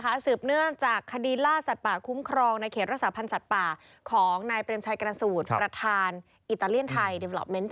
ไปแล้วตอนนี้ไปอย่างธุรกิจอื่นด้วย